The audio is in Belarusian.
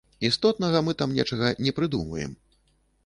Істотнага мы там нечага не прыдумваем.